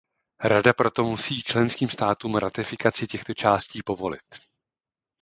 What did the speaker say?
Rada proto musí členským státům ratifikaci těchto částí povolit.